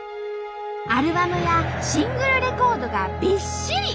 アルバムやシングルレコードがびっしり！